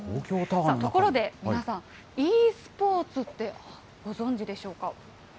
ところで皆さん、ｅスポーツってご存じでしょうか。